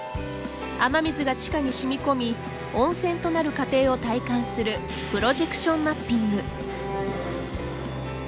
雨水が地下にしみ込み温泉となる過程を体感するプロジェクションマッピング。